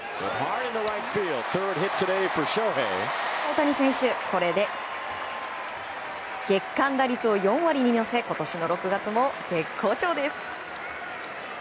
大谷選手、これで月間打率を４割に乗せ今年の６月も絶好調です。